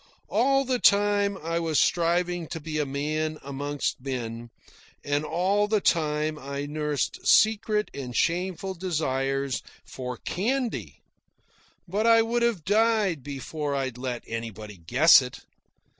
All the time I was striving to be a man amongst men, and all the time I nursed secret and shameful desires for candy. But I would have died before I'd let anybody guess it.